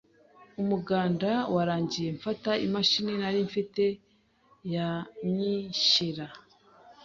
umuganda wararangiye mfata imachini nari mfite ya nyishyira